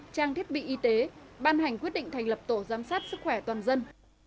trang thiết bị y tế ban hành quyết định thành lập tổ giám sát sức khỏe toàn dân